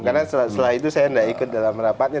karena setelah itu saya nggak ikut dalam rapatnya